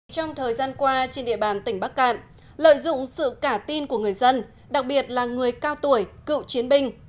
trong thời gian qua trên địa bàn tỉnh bắc cạn lợi dụng sự cả tin của người dân đặc biệt là người cao tuổi cựu chiến binh